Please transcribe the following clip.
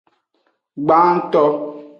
Gbanto.